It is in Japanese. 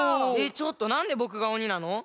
ちょっとなんでぼくがおになの？